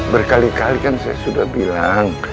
berkali kali kan saya sudah bilang